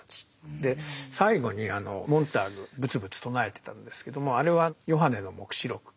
で最後にモンターグぶつぶつ唱えてたんですけどもあれは「ヨハネの黙示録」。